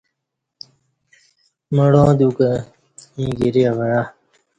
مڑاں دیوکں ییں گری او عہ